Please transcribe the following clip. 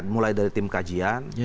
mulai dari tim kajian